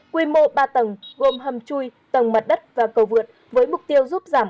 quy mô ba tầng gồm hầm chui tầng mặt đất và cầu vượt với mục tiêu giúp giảm